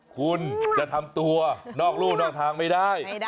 คุณจะทำตัวนอกรู่นอกทางไม่ได้